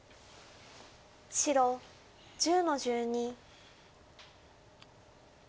白１０の十二。